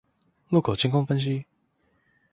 路口監控分析